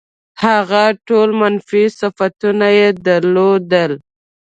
هغه ټول منفي صفتونه یې درلودل.